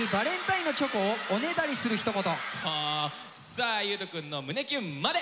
さあ裕翔くんの胸キュンまで。